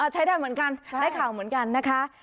ใช้ได้เหมือนกันได้ข่าวเหมือนกันนะคะ